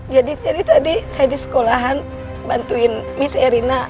jadi tadi saya di sekolahan bantuin miss erina